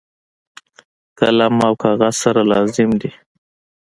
قلم او کاغذ سره لازم دي.